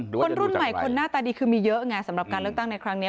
คนรุ่นใหม่คนหน้าตาดีคือมีเยอะไงสำหรับการเลือกตั้งในครั้งนี้